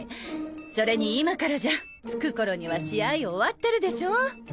それに今からじゃ着く頃には試合終わってるでしょ！